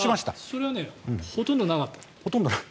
それはほとんどなかった。